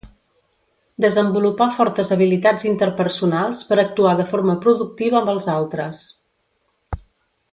Desenvolupar fortes habilitats interpersonals per actuar de forma productiva amb els altres.